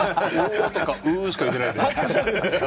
おーとか、うーしか言ってないですね。